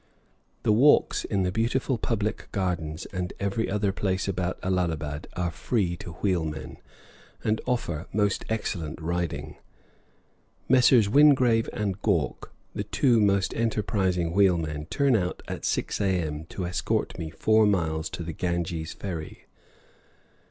The walks in the beautiful public gardens and every other place about Allahabad are free to wheelmen, and afford most excellent riding. Messrs. Wingrave and Gawke, the two most enterprising wheelmen, turn out at 6 a.m. to escort me four miles to the Ganges ferry.